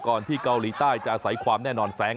ที่เกาหลีใต้จะอาศัยความแน่นอนแซง